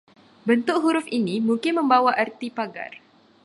Bentuk huruf ini mungkin membawa erti pagar